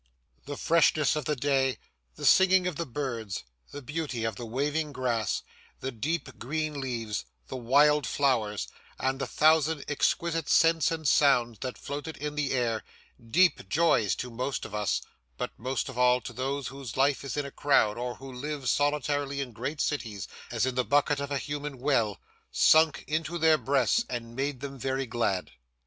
The freshness of the day, the singing of the birds, the beauty of the waving grass, the deep green leaves, the wild flowers, and the thousand exquisite scents and sounds that floated in the air deep joys to most of us, but most of all to those whose life is in a crowd or who live solitarily in great cities as in the bucket of a human well sunk into their breasts and made them very glad.